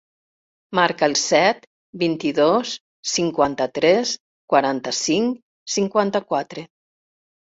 Marca el set, vint-i-dos, cinquanta-tres, quaranta-cinc, cinquanta-quatre.